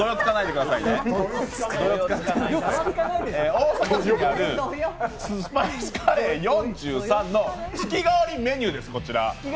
大阪市にあるスパイスカレー４３の月替わりメニューです。